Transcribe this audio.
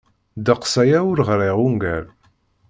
Ddeqs aya ur ɣriɣ ungal.